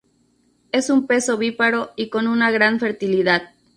Es un pez ovíparo y con una gran fertilidad.